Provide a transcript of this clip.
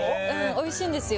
おいしいんですよ